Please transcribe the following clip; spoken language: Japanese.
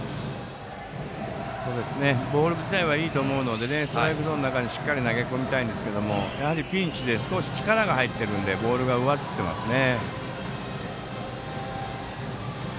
ボール自体はいいと思うのでストライクゾーンの中にしっかりと投げ込みたいんですがやはりピンチで少し力が入っているのでボールが上ずっていますね。